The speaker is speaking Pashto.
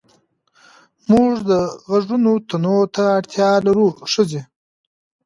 موږ د غږونو تنوع ته اړتيا لرو ښځې